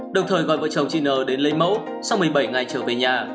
đồng thời gọi vợ chồng chị n đến lấy mẫu sau một mươi bảy ngày trở về nhà